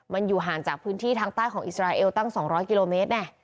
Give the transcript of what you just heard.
มันอยู่ห่างจากพื้นที่ทางใต้ของอิสราเอลตั้ง๒๐๐กิโลเมตร